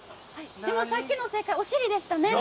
でもさっきの正解お尻でしたね。